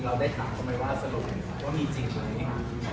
เราได้ถามเขาไหมว่าสรุปว่ามีจริงไหม